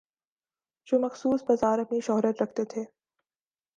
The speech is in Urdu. جو مخصوص بازار اپنی شہرت رکھتے تھے۔